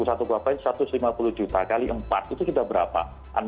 satu buah buah itu satu ratus lima puluh juta kali empat itu sudah berapa